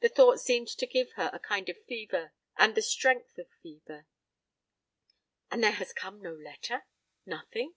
That thought seemed to give her a kind of fever, and the strength of fever." "And there has come no letter nothing?"